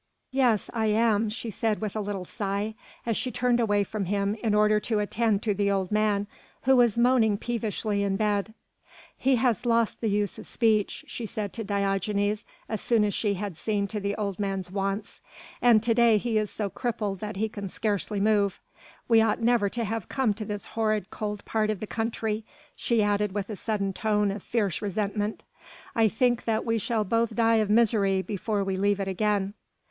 "Yes, I am!" she said with a little sigh, as she turned away from him in order to attend to the old man, who was moaning peevishly in bed. "He has lost the use of speech," she said to Diogenes as soon as she had seen to the old man's wants, "and to day he is so crippled that he can scarcely move. We ought never to have come to this horrible cold part of the country," she added with a sudden tone of fierce resentment. "I think that we shall both die of misery before we leave it again."